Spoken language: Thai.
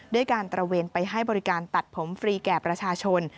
ด้วยการตระเวนไปให้บริการตัดผมฟรีแก่ประชาชน